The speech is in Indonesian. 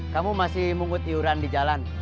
kamu masih mungut iuran di jalan